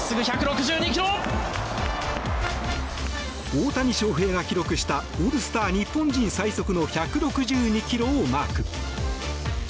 大谷翔平が記録したオールスター日本人最速の１６２ｋｍをマーク。